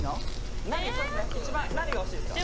一番何が欲しいですか？